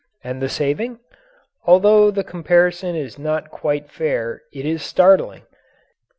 And the saving? Although the comparison is not quite fair, it is startling.